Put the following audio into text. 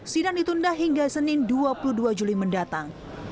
sidang ditunda hingga senin dua puluh dua juli mendatang